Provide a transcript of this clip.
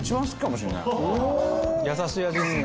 優しい味ですね。